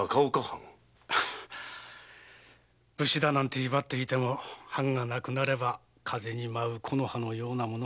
武士だなんて威張っていても藩がなくなれば風に舞う木の葉のようなもの。